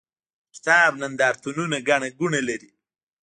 د کتاب نندارتونونه ګڼه ګوڼه لري.